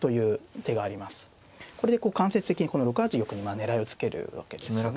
これでこう間接的にこの６八玉に狙いをつけるわけですよね。